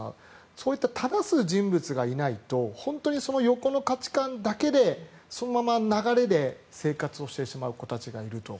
そういった正す人物がいないと本当にその横の価値観だけでそのまま流れで生活をしてしまう子たちがいると。